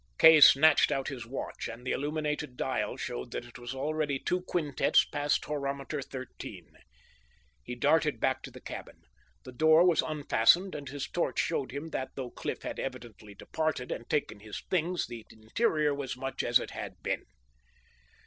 Kay snatched out his watch, and the illuminated dial showed that it was already two quintets past horometer 13. He darted back to the cabin. The door was unfastened, and his torch showed him that, though Cliff had evidently departed, and taken his things, the interior was much as it had been.